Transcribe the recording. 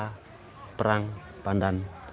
pemerintah yang terkenal adalah perang pandan